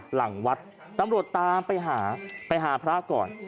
หลังวัดตำรวจตามไปหาไปหาพระก่อน